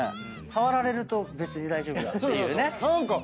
触られると別に大丈夫だっていうね。